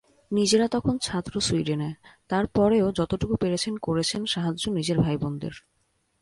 নিজেরা তখন ছাত্র সুইডেনে—তার পরেও যতটুকু পেরেছেন করেছেন সাহায্য নিজের ভাইবোনদের।